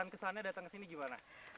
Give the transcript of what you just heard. nah kesan kesannya datang kesini gimana